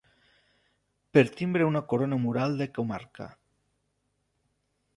Per timbre una corona mural de comarca.